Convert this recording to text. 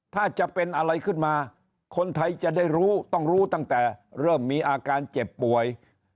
ถ้าจะเป็นอะไรขึ้นมาคนไทยจะได้รู้ต้องรู้ตั้งแต่เริ่มมีอาการเจ็บป่วย